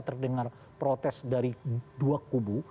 terdengar protes dari dua kubu